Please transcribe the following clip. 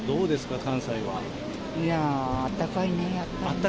いやー、あったかいね、やっぱりね。